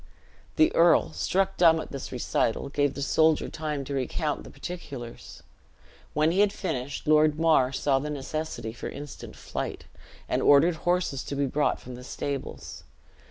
The earl, struck dumb at this recital, gave the soldier time to recount the particulars. When he had finished, Lord Mar saw the necessity for instant flight, and ordered horses to be brought from the stables.